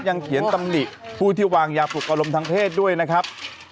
ก็จะตามนิผู้ที่วางยากปกรมทางเพศด้วยนะครับ